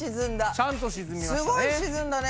ちゃんと沈みましたね。